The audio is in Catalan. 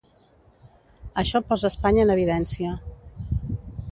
Això posa Espanya en evidència.